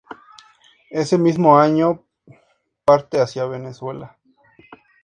Ese mismo año parte hacia Venezuela.